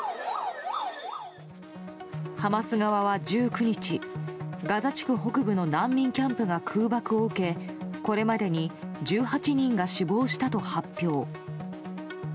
ハマス側は１９日ガザ地区北部の難民キャンプが空爆を受けこれまでに１８人が死亡したと発表。